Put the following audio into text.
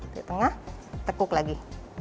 di tengah tekuk lagi